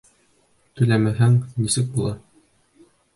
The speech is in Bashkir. Түләмәһәң, нисек була?